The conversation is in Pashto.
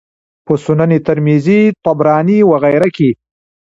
په سنن ترمذي، طبراني وغيره کي